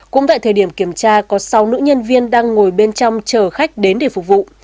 cũng tại thời điểm kiểm tra có sáu nữ nhân viên đang ngồi bên trong chờ khách đến để phục vụ